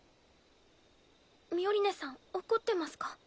ミオリネさん怒ってますか？